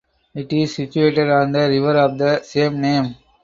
It is situated on the river of the same name.